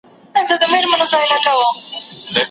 په پردي جنگ كي بايللى مي پوستين دئ